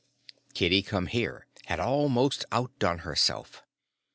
Kitty Come Here had almost outdone herself.